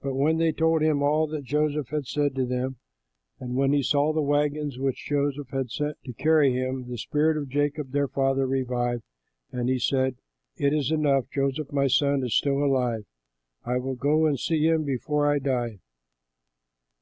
But when they told him all that Joseph had said to them and when he saw the wagons which Joseph had sent to carry him, the spirit of Jacob their father revived, and he said, "It is enough; Joseph my son is still alive. I will go and see him before I die."